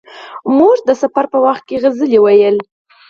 موږ د سفر په وخت کې سندرې ویل.